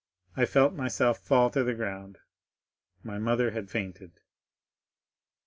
I felt myself fall to the ground, my mother had fainted."